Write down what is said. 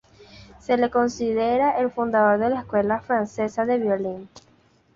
Se le considera el fundador de la escuela francesa de violín.